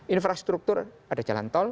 infrastruktur ada jalan